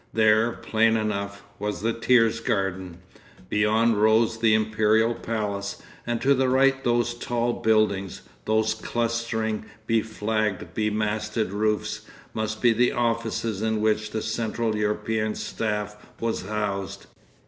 There, plain enough, was the Thiergarten; beyond rose the imperial palace, and to the right those tall buildings, those clustering, beflagged, bemasted roofs, must be the offices in which the Central European staff was housed.